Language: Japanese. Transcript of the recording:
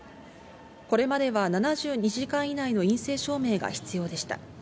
これまでは７２時間以内の陰性証明が必要でした。